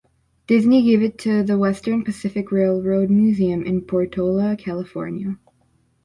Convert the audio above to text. Disney gave it to the Western Pacific Railroad Museum in Portola, California.